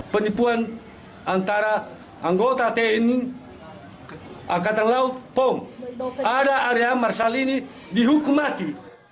penipuan antara anggota tni angkatan laut pom ada area marsalini dihukum mati